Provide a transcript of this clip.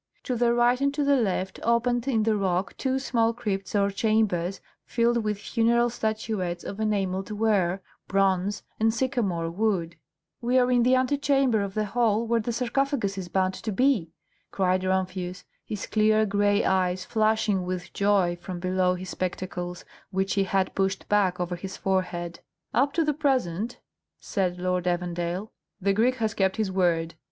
To the right and to the left opened in the rock two small crypts or chambers filled with funeral statuettes of enamelled ware, bronze, and sycamore wood. "We are in the antechamber of the hall where the sarcophagus is bound to be!" cried Rumphius, his clear gray eyes flashing with joy from below his spectacles, which he had pushed back over his forehead. "Up to the present," said Lord Evandale, "the Greek has kept his word.